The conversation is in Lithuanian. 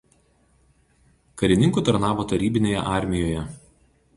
Karininku tarnavo Tarybinėje Armijoje.